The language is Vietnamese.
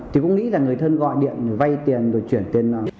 thì cũng nghĩ là người thân gọi điện vay tiền rồi chuyển tiền